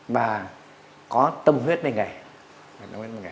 và có tâm huyết về nghề